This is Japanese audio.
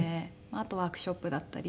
あとワークショップだったり